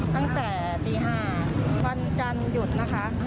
ตั้งแต่ตี๕วันจันทร์หยุดนะคะ